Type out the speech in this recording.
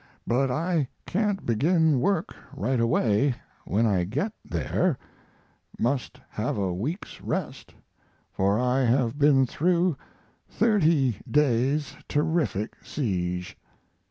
But I can't begin work right away when I get there; must have a week's rest, for I have been through thirty days' terrific siege.